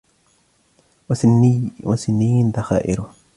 وَسَنِيِّ ذَخَائِرِهِ